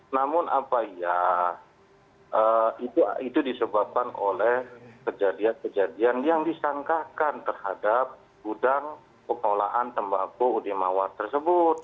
namun apa ya itu disebabkan oleh kejadian kejadian yang disangkakan terhadap gudang pemulaan tembakau udm awad tersebut